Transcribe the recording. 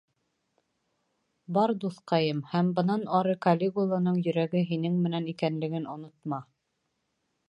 Бар, дуҫҡайым, һәм бынан ары Калигуланың йөрәге һинең менән икәнлеген онотма.